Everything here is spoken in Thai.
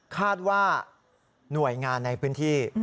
คาดว่าหน่วยงานในพื้นที่